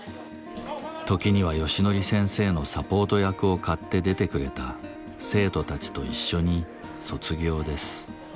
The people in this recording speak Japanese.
時にはヨシノリ先生のサポート役を買って出てくれた生徒たちと一緒に卒業です。